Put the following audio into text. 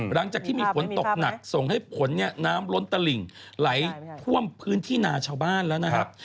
หลังจากที่มีฝนตกหนักส่งให้ผลเนี่ยน้ำล้นตลิ่งไหลท่วมพื้นที่นาชาวบ้านแล้วนะครับ